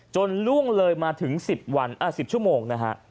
จนล่วงเลยมาถึง๑๐วันอ่ะ๑๐ชั่วโมงนะฮะ